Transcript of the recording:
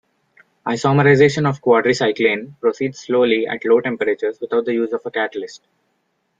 Isomerization of quadricyclane proceeds slowly at low temperatures without the use of a catalyst.